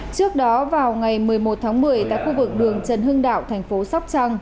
trước đó vào ngày một mươi một tháng một mươi tại khu vực đường trần hưng đạo thành phố sóc trăng